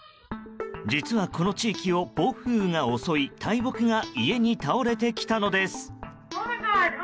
実は、この地域を暴風雨が襲い大木が家に倒れてきたのです。